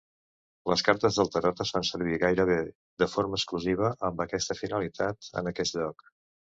Les cartes del tarot es fan servir gairebé de forma exclusiva amb aquesta finalitat en aquests llocs.